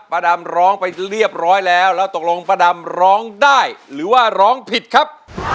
ดำร้องไปเรียบร้อยแล้วแล้วตกลงป้าดำร้องได้หรือว่าร้องผิดครับ